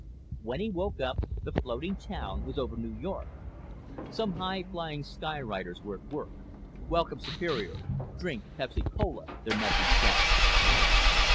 When he woke up the floating town was over New York. Some high flying skywriters were at work. Welcome Superior Drink Pepsi Cola their message said.